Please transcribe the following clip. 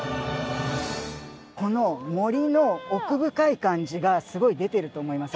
この森の奥深い感じがすごい出てると思いませんか？